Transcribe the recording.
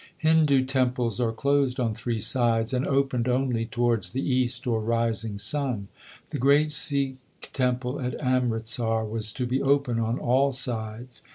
Hindu temples are closed on three sides and opened only towards the east or rising sun. The great Sikh temple at Amritsar was to be open on all sides.